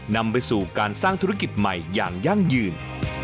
นำไปสู่การสร้างธุรกิจใหม่อย่างยั่งยืน